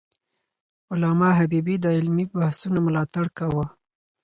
علامه حبيبي د علمي بحثونو ملاتړ کاوه.